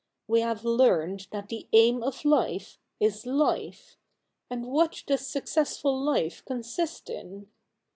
We have learned that the aim of Hfe is life ; and what does successful life consist in